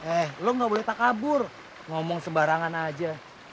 eh lo gak boleh takabur ngomong sembarangan aja